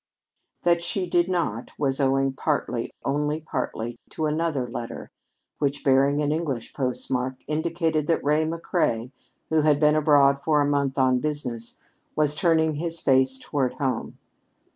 That she did not was owing partly only partly to another letter which, bearing an English postmark, indicated that Ray McCrea, who had been abroad for a month on business, was turning his face toward home.